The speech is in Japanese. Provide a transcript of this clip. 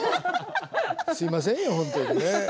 すいませんよ、本当に。